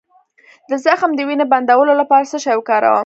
د زخم د وینې بندولو لپاره څه شی وکاروم؟